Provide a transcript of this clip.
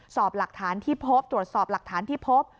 สอบหลักฐานที่พบตรวจสอบหลักฐานที่พบ